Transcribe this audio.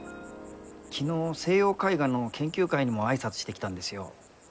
昨日西洋絵画の研究会にも挨拶してきたんですよ。